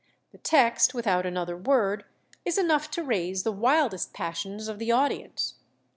The text, without another word, is enough to raise the wildest passions of the audience....